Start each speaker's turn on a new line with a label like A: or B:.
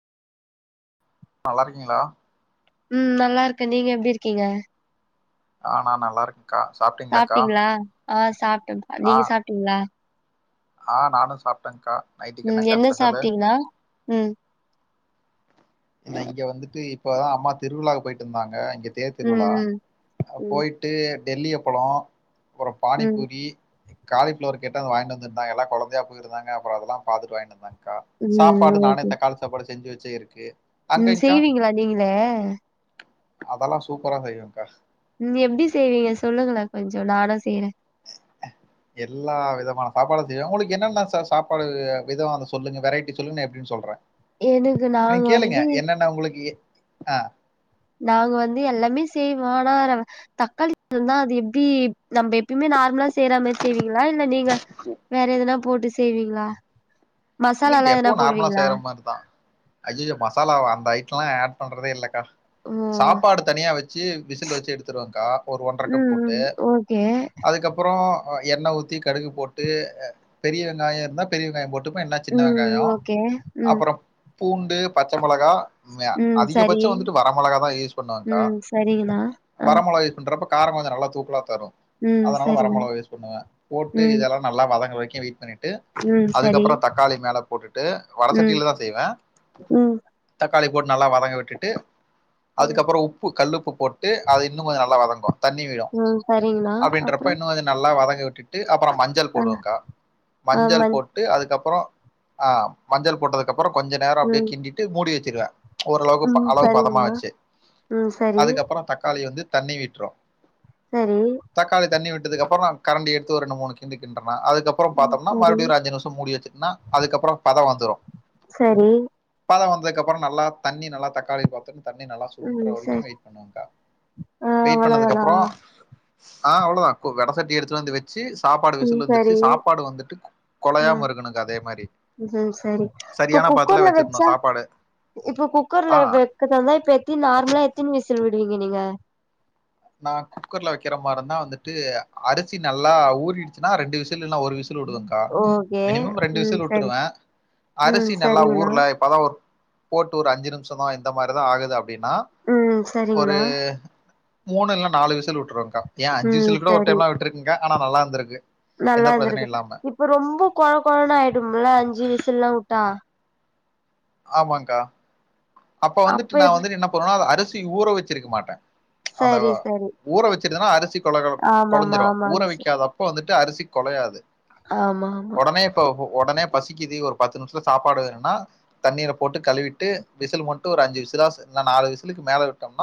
A: நல்லா இருக்கீங்களா
B: ம் நல்லா இருக்கே நீங்க எப்டி இருக்கீங்க
A: ஆ நா நல்லா இருக் கா சாப்ட்டீங்
B: சாப்ட்டீங்ளா ஆ சாப்டேப்பா
A: ஆ
B: நீங்க சாப்ட்டீங்ளா
A: ஆ நானு சாப்ட்டேங்கா
B: ம் என்ன சாப்ட்டீங்ளா ம்
A: இன்னைக்கி இங்க வந்துட்டு இப்பதா அம்மா திருவிழாக் போய்ட்டுந்தாங்க இங்கே தேர் திருவிழா
B: ம்
A: அ
B: ம்
A: போய்ட் டு டெல்லி அப்பலோ ஒரு
B: ம்
A: பானிபூரி காளிஃப்ளவர் கேட்டங்க வாங்கிட் வந்திருந்தாங்கல்லா கொழந்தைய போயிருந்தாங்க அப்றோ அதெல்லா பாத்துட்டு வாங்கிட்டு வந்தாங்க கா
B: ம் ம்
A: சாப்பாடு நானே
B: ஓகே
A: தக்காளி சாப்பாடு செஞ்சு வெச்சே இருக்கு
B: ம் செய்வீங்ளா நீங்களே
A: அதல்லா சூப்பரா செய்வேக்கா
B: ம் எப்டி செய்வீங்க சொல்லுங்களே கொஞ்சோ நானு செய்றே
A: எல்லா விதமான சாப்பாடு செய்வே உங்களுக்கு என்னென்ன சார் சாப்பாடு வ் விதோ அத சொல்லுங்க வெரைட்டி சொல்லுங்க நா எப்டின் சொல்றே
B: எனக்கு நாங்க
A: நீங் கேளுங்க
B: வந்து
A: என்னென்ன உங்களுக்கு எ அ
B: நாங்க வந்து எல்லாமே செய்வோ ஆனா ரவ் தக்காளி சா தந்தா அது எப்டி நம்ப எப்பயுமே நார்மலா செய்ற மாரி செய்வீங்ளா இல்ல நீங்க வேற எதனா போட்டு செய்வீங்களா மசாலா லா எதனா போடுவீங்ளா
A: அய்யயோ மசாலா வ அந்த ஐட்லா அட் பண்றதே இல்லக்கா
B: ஓ
A: சாப்பாடு தனியா வெச்சு விசில் வெச்சு எடுத்துறுவேக்கா ஒரு ஒன்ற கப்
B: ம்
A: போட்டு
B: ம் ஓகே
A: அதுக்கப்றோ எண்ண ஊத்தி கடுகு போட்டு அ பெரிய வெங்காய்யோ இருந்தா பெரிய வெங்காயோ போட்டுபே இல்ல சின்ன
B: ம்.
A: வெங்காயோ
B: ஓகே. ம்.
A: அப்பறோ பூண்டு பச்ச மொளகா உண்மையா
B: ம்.
A: அதிக
B: சரி.
A: பட்ச்சோ வந்துட்டு வர மொளக தா யூஸ் பண்ணுவங்க்கா
B: ம். சரிங்கண்ணா. ஆ.
A: வர மொளகா யூஸ் பண்றப்ப கார கொஞ்சோ நல்லா தூக்கலா தரு
B: ம்.
A: அதனால வர
B: சரிண்ணா.
A: மொளக யூஸ் பண்ணுவே போட்டு
B: ம்.
A: இதல்லா நல்லா வதங்க வெரிக்கு வெய்ட் பண்ணிட்டு
B: ம் செரி
A: க்காளி மேல போட்டுட்டு வடச்சட்டிலதா செய்வே
B: ம்.
A: தக்காளி போட்டு நல்லா வதங்க விட்டுட்டு
B: ம்.
A: அதுக்கப்றோ உப்பு கல்லுப்பு போட்டு அத இன்னு கொஞ்சோ நல்லா வதங்கு தண்ணி விழோ
B: ம். சரிங்கண்ணா.
A: அப்டின்றப்போ
B: அப்புறம்?
A: இன்னு அத நல்லா வதங்க விட்டுட்டு அப்பறோ மஞ் சள்
B: அ
A: போடுவேங்க்கா
B: ஆ
A: மஞ்சள்
B: மஞ்
A: போட்டு அதுக்கப்றோ ஆ மஞ்சள் போட்டதுக்கப்றோ கொஞ்ச நேரோ அப்டியே
B: ம்.
A: கிண்டிட்டு மூடி வெச்சிருவே ஓரளவுக்கு ப
B: ம்.
A: அளவு
B: சரிங்கண்ணா.
A: பதமாச்சு
B: ம். சரி.
A: அதுக்கப்றோ தக்காளி வந்து தண்ணி விட்ரு
B: சரி
A: தக்காளி தண்ணி விட்டதுக்கப்றோ நா கரண்டி எடுத்து ஒரு ரெண்டு மூணு கிண்டு கிண்டன அதுக்கப் அப்றோ
B: ம்.
A: பாத்தோம்னா
B: சரி.
A: மறுபட்யு ஓரு அஞ்சி நிம்ஷோ மூடி வெச்சிட்ன்னா அதுக்கப்றோ பதோ வந்துரு
B: சரி
A: பதோ வந்துக்கப்றோ நல்லா தண்ணி நல்லா தக்காளி பாத்து தண்ணி நல்லா சுன்ற
B: ம். சரி.
A: வரைக்கு வெய்ட் பண்ணுவங்க்கா
B: ஆ
A: வெய்ட் பண்ணதுக்கு
B: அவ்வளோதானா?
A: அப்றோ ஆ அவ்ளோதா ஒரு வெட சட்டி எடுத்து வந்து வச்சு சேரி சாப்பாடு
B: ம்.
A: விசில்
B: சரி.
A: வந்துருச்சு சாப்பாடு வந்துட்டு
B: ஆ.
A: கொலையாம இருக்கணுங்க்கா அதே மாரி
B: ம் சரி இப்ப
A: சரியான பதத்துல
B: குக்கர்ல
A: வச்சிருணு
B: வச்சா
A: சாப்பாடு
B: இப்ப
A: ஆ
B: குக்கர்ல வ க்கறதா இருந்தா இப்ப எத்தின் நார்மலா எத்தின் விசல் விடுவீங்க நீங்க
A: நா குக்கர்ல வைக்கிற மார் இருந்தா வந்துட்டு அரிசி நல்லா ஊறிடுச்சுன்னா ரெண்டு விச ல் இல்லனா ஒரு விசில் உடுவங்க்கா
B: ஓகே.
A: மினிமம் ரெண்டு
B: ம்.
A: விசில்
B: சரி.
A: உட்டுருவ
B: ம்.
A: அரிசி நல்லா
B: சரிங்கண்ணா.
A: ஊர்ல இப் இப்ப தா ஒரு போட்டு ஒரு அஞ்சு நிம்ஷோ தா இந்த மாரி தா ஆகுது அப்டின்னா
B: ம்
A: ஒரு
B: சரிங்கண்ணா
A: மூணு இல்ல நாலு விசல் விட்டுருவக்கா ஏ அஞ்சு
B: ம்
A: விசில் கூட ஒரு
B: சரி
A: டைம்லா விட்டுருக்கங்கா ஆனா நல்லா இருந்துருக்கு
B: நல்லா இருந்திருக்குது இப்ப ரொம்ப குழ குழனு ஆயிடும்லா அஞ்சு விசுல்லா‌ உட்டா
A: ஆமாங்க்கா அப்ப வந்துட்டு நா வந்துட்டு என்ன பண்ணுவனா அது அரிசி ஊற வச்சிருக்க மாட்ட அந்த
B: சரி சரி
A: ஊற வச்சிருதுன்னா அரிசி கொல கொல்
B: ஆமாமா
A: கொலஞ்சிரு ஊற
B: ஆமாங்க ச
A: வைக்காதப் ப வந்துட்டு அரிசி கொலையாது
B: ஆமா ஆமா
A: இப்ப ஒ ஒடனே பசிக்குது ஒரு பத்து நிமிஷத்துல சாப்பாடு வேணுனா தண்ணீல போட்டு கழுவிட்டு விசில் மட்டு ஒரு அஞ்சு விசிலாஸ் இல்ல நாலு விசுலுக்கு மேல விட்டோம்னா